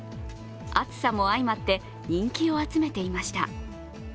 暑さも相まって、人気を集めていました。